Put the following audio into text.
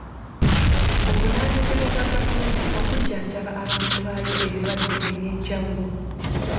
Buvunaanyizibwa bwa gavumenti okujjanjaba abantu baayo ebirwadde eby'enjawulo.